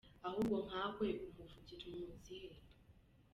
Ahubwo nka we umuvugira, umuizi hehe?